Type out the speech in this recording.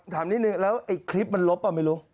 ถามนิดนึงแล้วไอ้คลิปมันลบป่ะไม่รู้